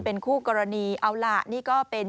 เป็นคู่กรณีเอาล่ะนี่ก็เป็น